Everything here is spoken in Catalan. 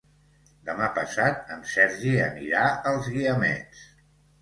Demà passat en Sergi anirà als Guiamets.